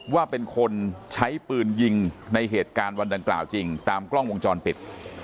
ว่าเป็นคนใช้ปืนยิงในเหตุการณ์วันดังกล่าวจริงตามกล้องวงจรปิด